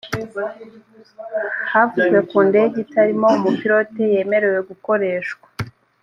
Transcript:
havuzwe ku ndege itarimo umupilote yemerewe gukoreshwa